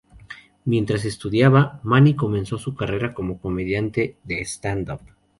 Mientras estudiaba, Mani comenzó su carrera como comediante de stand-up.